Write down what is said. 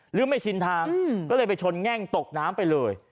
หรือไม่ชินทางก็เลยไปชนแง่งตกน้ำไปเลย